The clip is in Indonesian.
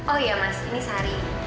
oh ya mas ini sari